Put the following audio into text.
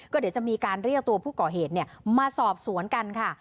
ก็เดี๋ยวจะมีการเรียกตัวผู้ก่อเหตุมาสอบสวนกันค่ะ